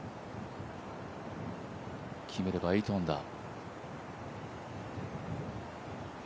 決めれば８アンダー。